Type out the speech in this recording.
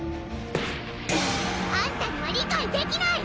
あんたには理解できない！